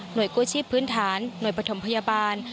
โดยกู้ชีพพื้นฐานหน่วยปฐมพยาบาล